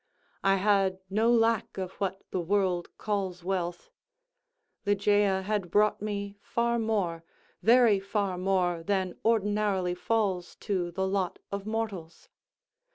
I had no lack of what the world calls wealth. Ligeia had brought me far more, very far more than ordinarily falls to the lot of mortals.